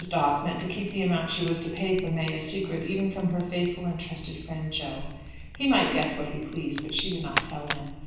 Dobbs meant to keep the amount she was to pay for May a secret even from her faithful and trusted friend Jo. He might guess what he pleased, but she would not tell him.